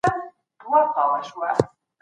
څېړونکي باید لومړی د خپلو فرضیو طرحه جوړه کړي.